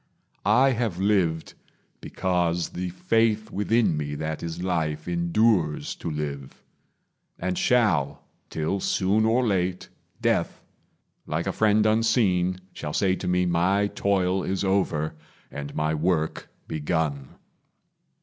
I have lived, Because the faith within me that is life Endures to live, and shall, till soon or late, Death, like a friend unseen, shall say to me My toil is over and my work begun.